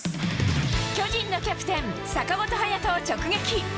巨人のキャプテン、坂本勇人を直撃。